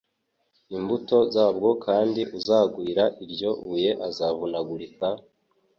imbuto zabwo Kandi uzagwira iryo buye azavunagurika,